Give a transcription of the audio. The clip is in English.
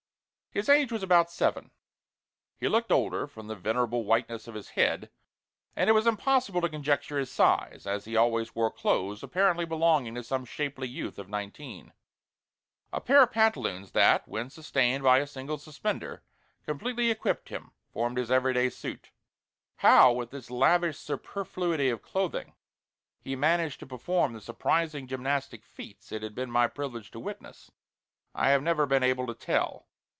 His age was about seven. He looked older, from the venerable whiteness of his head, and it was impossible to conjecture his size, as he always wore clothes apparently belonging to some shapely youth of nineteen. A pair of pantaloons that, when sustained by a single suspender, completely equipped him, formed his every day suit. How, with this lavish superfluity of clothing, he managed to perform the surprising gymnastic feats it had been my privilege to witness, I have never been able to tell.